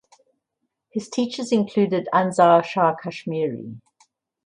His teachers included Anzar Shah Kashmiri.